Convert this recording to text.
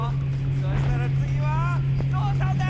そしたらつぎはゾウさんだ！